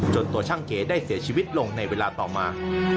ตัวช่างเก๋ได้เสียชีวิตลงในเวลาต่อมา